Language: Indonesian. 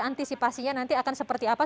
antisipasinya nanti akan seperti apa